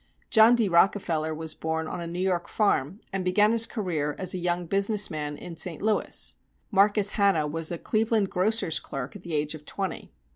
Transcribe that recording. John D. Rockefeller was born on a New York farm, and began his career as a young business man in St. Louis. Marcus Hanna was a Cleveland grocer's clerk at the age of twenty.